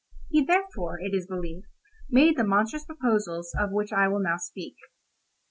He, therefore, it is believed, made the monstrous proposals of which I will now speak.